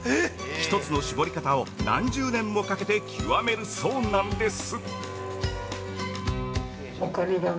１つの絞り方を何十年もかけて極めるそうなんです。